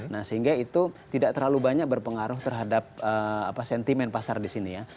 nah sehingga itu tidak terlalu banyak berpengaruh terhadap sentimen pasar di sini ya